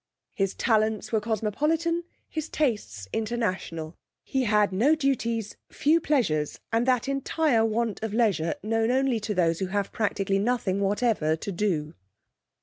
His talents were cosmopolitan; his tastes international; he had no duties, few pleasures and that entire want of leisure known only to those who have practically nothing whatever to do.